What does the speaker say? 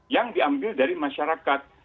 yang diambil dari masyarakat